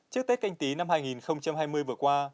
trước tết canh tí năm hai nghìn hai mươi vừa qua